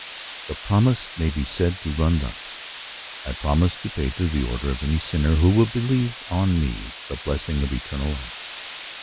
The promise may be said to run thus, "I promise to pay to the order of any sinner who will believe on me the blessing of eternal life.